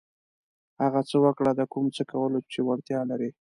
هغه څه وکړه د کوم څه کولو چې وړتیا لرئ.